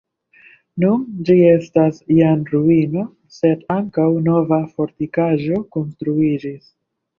Nun ĝi estas jam ruino, sed ankaŭ nova fortikaĵo konstruiĝis.